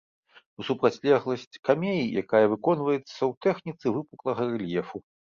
У супрацьлегласць камеі, якая выконваецца ў тэхніцы выпуклага рэльефу.